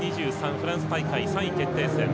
フランス大会３位決定戦。